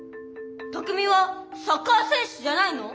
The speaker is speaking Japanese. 拓海はサッカー選手じゃないの？